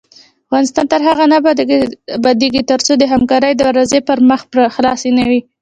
افغانستان تر هغو نه ابادیږي، ترڅو د همکارۍ دروازې پر مخ خلاصې نه وي.